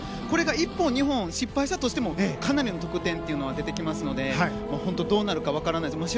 これが１本、２本失敗したとしてもかなりの得点は出てきますので本当にどうなるか分からないです。